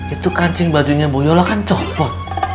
itu kancing bajunya bu yola kan copot